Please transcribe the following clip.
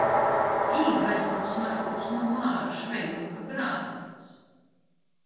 Iedvesmu smēlos no Māra Šveiduka grāmatas.